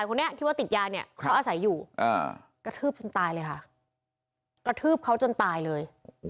กระทืบเขาจนตายเลย